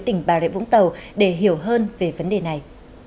tỉnh bà rịa vũng tàu để hiểu hơn về vấn đề này